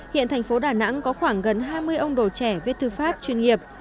hiện thành phố đà nẵng có khoảng gần hai mươi ông đồ trẻ viết thư pháp chuyên nghiệp